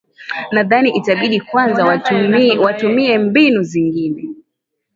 nadhani itabidi kwanza watumie mbinu zingine